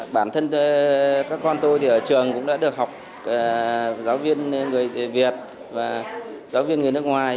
bản thân các con tôi thì ở trường cũng đã được học giáo viên người việt và giáo viên người nước ngoài